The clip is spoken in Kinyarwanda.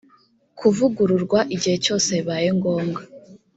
kuvugururwa igihe cyose bibaye ngombwa